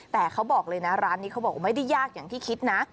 แต่เขาบอกเลยนะร้านนี้เขาบอกว่าไม่ได้ยากอย่างที่คิดนะ